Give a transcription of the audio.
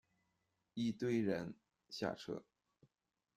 一堆人下车